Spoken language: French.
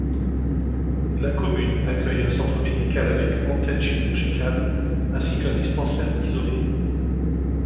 La commune accueille un centre médical avec antenne chirurgicale ainsi qu'un dispensaire isolé.